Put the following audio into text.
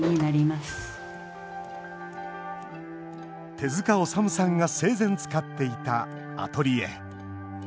手塚治虫さんが生前使っていたアトリエ。